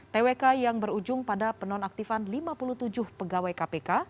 twk yang berujung pada penonaktifan lima puluh tujuh pegawai kpk